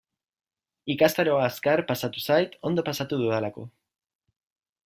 Ikastaroa azkar pasatu zait, ondo pasatu dudalako.